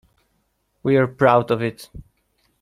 We're proud of it.